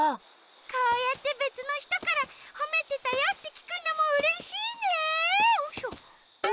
こうやってべつのひとからほめてたよってきくのもうれしいね！